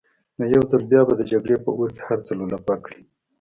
نو يو ځل بيا به د جګړې په اور کې هر څه لولپه کړي.